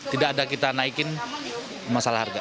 tidak ada kita naikin masalah harga